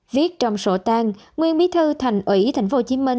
viết trong sổ tang nguyên bí thư thành ủy tp hcm